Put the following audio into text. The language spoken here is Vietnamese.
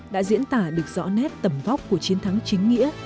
đã diễn tả được rõ nét tầm góc của chiến thắng chính nghĩa